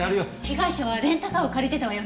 被害者はレンタカーを借りてたわよね。